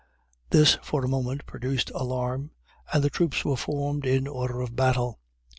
This, for a moment, produced alarm, and the troops were formed in order of battle.